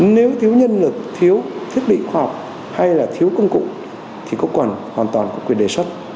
nếu thiếu nhân lực thiếu thiết bị khoa học hay là thiếu công cụ thì có hoàn toàn quyền đề xuất